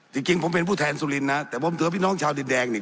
จริงจริงผมเป็นผู้แทนสุรินทร์นะแต่ผมถือว่าพี่น้องชาวดินแดงนี่